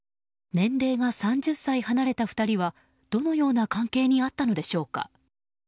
年齢が３０歳離れた２人はどのような関係にあったのでしょうか。